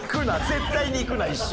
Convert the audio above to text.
絶対に行くな一生！